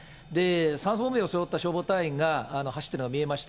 酸素ボンベを背負った消防隊員が走っているのが見えました。